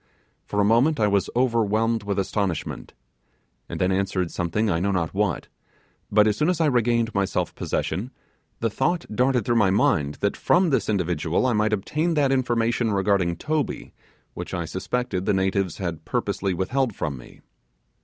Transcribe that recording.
For a moment I was overwhelmed with astonishment, and then answered something I know not what; but as soon as I regained my self possession, the thought darted through my mind that from this individual I might obtain that information regarding Toby which I suspected the natives had purposely withheld from me.